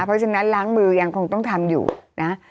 เพราะฉะนั้นล้างมือยังคงต้องทำอยู่นะ